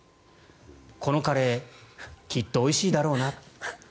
このカレーきっとおいしいだろうな。